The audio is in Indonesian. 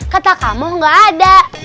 kata kamu gak ada